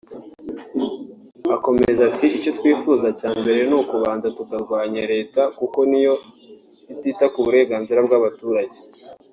Akomeza ati “Icyo twifuza cya mbere ni ukubanza tukarwanya Leta kuko niyo itita ku burenganzira bw’umuturage